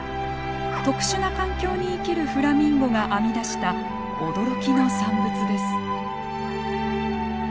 特殊な環境に生きるフラミンゴが編み出した驚きの産物です。